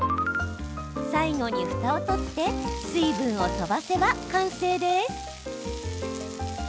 最後に、ふたを取って水分を飛ばせば完成です。